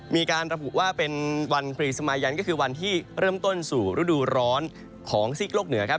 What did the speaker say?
มีการระบุว่าเป็นวันพรีสมายันก็คือวันที่เริ่มต้นสู่ฤดูร้อนของซีกโลกเหนือครับ